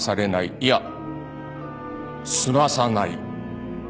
いや済まさない。